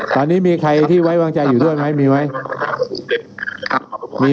ตอนนี้มีใครที่ไว้วางใจอยู่ด้วยไหมมีไหม